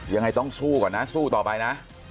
ยังไงต้องสู้ก่อนนะสู้ต่อไปนะ